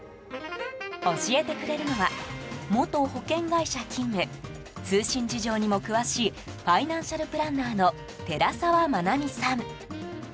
教えてくれるのは元保険会社勤務通信事情にも詳しいファイナンシャルプランナーの寺澤真奈美さん。